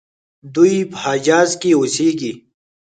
دوی په حجاز کې اوسیږي.